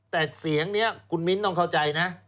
แต่เสียงนี้คุณมิ้นต้องเข้าใจนะ